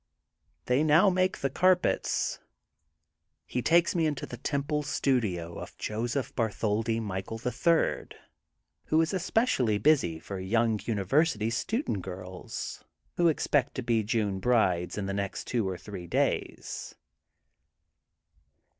They now make the carpets. He takes me into the temple studio of Joseph Bartholdi Michael, the Third, who is. especi ally busy for young university student girls who expect to be June brides in the next two or three days.